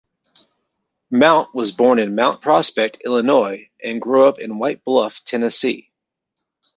Mount was born in Mount Prospect, Illinois and grew up in White Bluff, Tennessee.